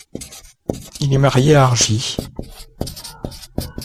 Il est marié à Argie.